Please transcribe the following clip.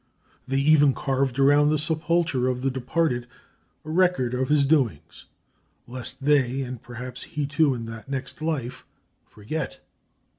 They even carved around the sepulchre of the departed a record of his doings, lest they and perhaps he too in that next life forget.